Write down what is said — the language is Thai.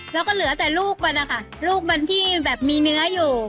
แล้วก็เหลือแต่ลูกมันนะคะลูกมันที่แบบมีเนื้ออยู่